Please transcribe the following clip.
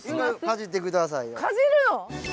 かじるの！？